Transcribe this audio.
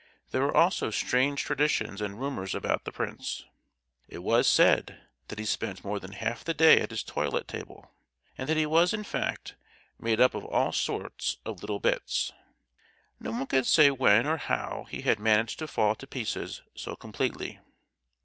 There were also strange traditions and rumours about the prince. It was said that he spent more than half the day at his toilet table; and that he was, in fact, made up of all sorts of little bits. No one could say when or how he had managed to fall to pieces so completely.